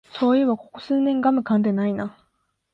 そういえばここ数年ガムかんでないな